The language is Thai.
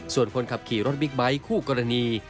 ส่วนคนขับขี่รถบิ๊กไบท์คู่กรณี